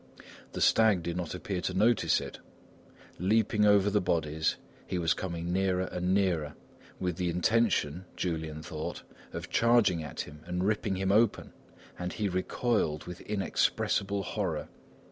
The stag did not appear to notice it; leaping over the bodies, he was coming nearer and nearer with the intention, Julian thought, of charging at him and ripping him open, and he recoiled with inexpressible horror.